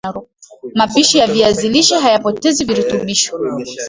mapishi ya viazi lishe haypotezi virutubisho